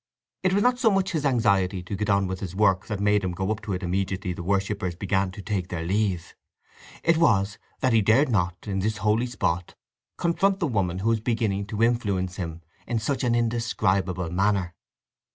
It was not so much his anxiety to get on with his work that made him go up to it immediately the worshipers began to take their leave: it was that he dared not, in this holy spot, confront the woman who was beginning to influence him in such an indescribable manner.